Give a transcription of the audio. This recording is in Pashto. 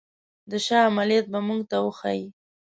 د شاه عملیات به موږ ته وښيي.